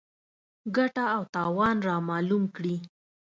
ګټه او تاوان رامعلوم کړي.